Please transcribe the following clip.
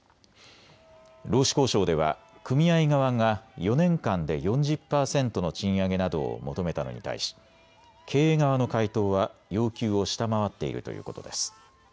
労使交渉では組合側が４年間で４０％の賃上げなどを求めたのに対し経営側の回答は要求を下回っているということです。